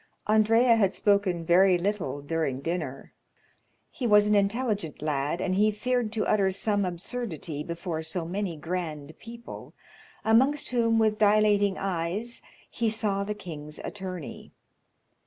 Andrea had spoken very little during dinner; he was an intelligent lad, and he feared to utter some absurdity before so many grand people, amongst whom, with dilating eyes, he saw the king's attorney.